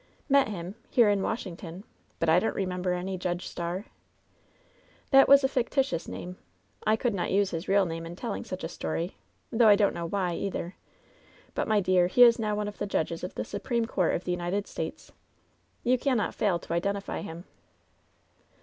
"Met him! — here, in Washington? But I donH re member any Judge Starr." "That was a fictitious name. I could not use his real name in telling such a story — ^though I don't know why, either. But, my dear, he is now one of the judges of the Supreme Court of the United States. You cannot fail to identify him."